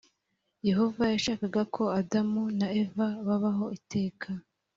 yehova yashakaga ko adamu na eva babaho iteka.